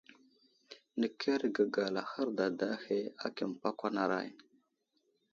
Nəkerge gala hərdada ahe aki məpakwanaray.